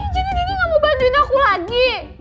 jadi deddy gak mau bantuin aku lagi